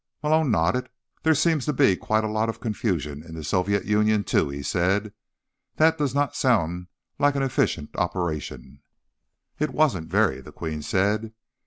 Malone nodded. "There seems to be quite a lot of confusion in the Soviet Union, too," he said. "That does not sound to me like an efficient operation." "It wasn't, very," the Queen said.